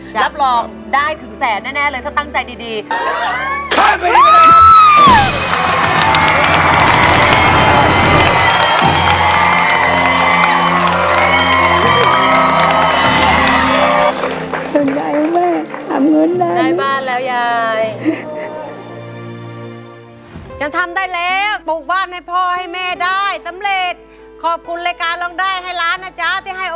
รับรองได้ถึงแสนแน่เลยถ้าตั้งใจดี